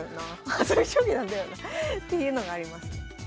はさみ将棋なんだよなっていうのがあります。